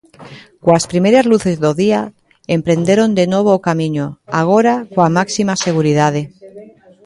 Coas primeiras luces do día, emprenderon de novo o camiño, agora, coa máxima seguridade.